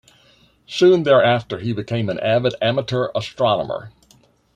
Soon thereafter, he became an avid amateur astronomer.